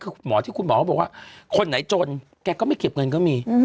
คือหมอที่คุณหมอก็บอกว่าคนไหนจนแกก็ไม่เก็บเงินก็มี